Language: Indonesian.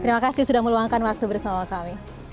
terima kasih sudah meluangkan waktu bersama kami